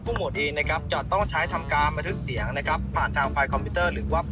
ผู้หมวดก็ตัวจริงไม่ใช่เหรอครับ